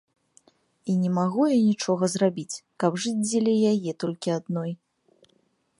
І не магу я нічога зрабіць, каб жыць дзеля яе толькі адной.